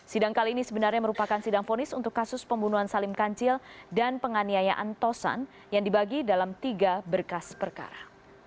sidang kali ini sebenarnya merupakan sidang fonis untuk kasus pembunuhan salim kancil dan penganiayaan tosan yang dibagi dalam tiga berkas perkara